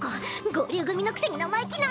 合流組のくせに生意気な！